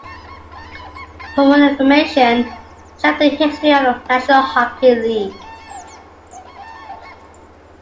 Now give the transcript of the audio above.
For more information, check the History of the National Hockey League.